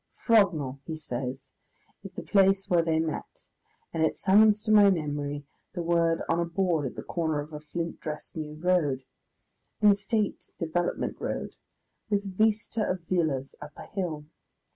"Frognal," he says, is the place where they met, and it summons to my memory the word on a board at the corner of a flint dressed new road, an estate development road, with a vista of villas up a hill.